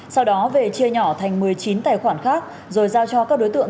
sau đó về chia nhỏ thành một mươi chín tài khoản khác rồi giao cho các đối tượng